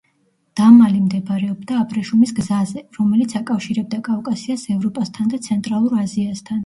დამალი მდებარეობდა აბრეშუმის გზაზე, რომელიც აკავშირებდა კავკასიას ევროპასთან და ცენტრალურ აზიასთან.